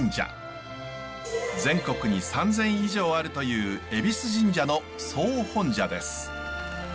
全国に３，０００以上あるというえびす神社の総本社です。